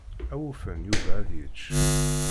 Awufan Yuba ad yečč.